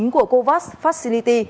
của covax facility